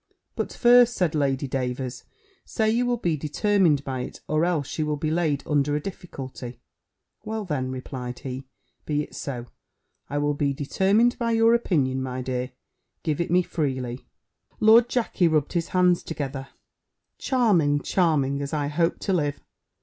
"But, first," said Lady Davers, "say you will be determined by it; or else she will be laid under a difficulty." "Well, then," replied he, "be it so I will be determined by your opinion, my dear; give it me freely." Lord Jackey rubbed his hands together, "Charming, charming, as I hope to live!